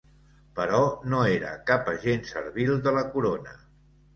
Però no era cap agent servil de la corona.